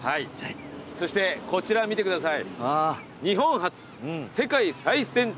そしてこちら見てください。